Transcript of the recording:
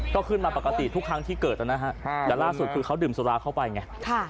ก็ขึ้นมาปกติทุกครั้งที่เกิดนะฮะแต่ล่าสุดคือเขาดื่มสุราเข้าไปไง